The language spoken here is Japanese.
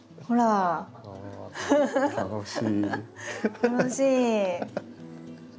楽しい！